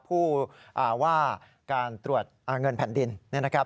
ผู้ว่าการตรวจเงินแผ่นดินนะครับ